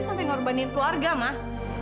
sampai ngorbanin keluarga mah